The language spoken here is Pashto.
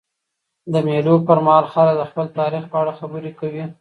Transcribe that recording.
د مېلو پر مهال خلک د خپل تاریخ په اړه خبري کوي.